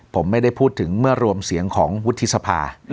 ผมไม่ได้พูดถึงเมื่อรวมเสียงของวุฒิสภา